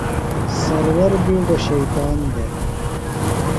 سرور بِیڈوۡ شیطان دےۡ۔